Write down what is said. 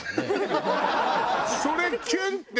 それキュンって。